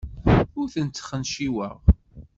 Ur tent-sxenciweɣ.